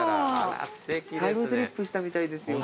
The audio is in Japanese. タイムスリップしたみたいですよ。